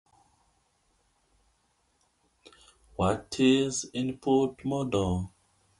He stoutly denied there was anything else between them.